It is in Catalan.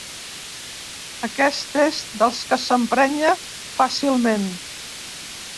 Aquest és dels que s'emprenya fàcilment.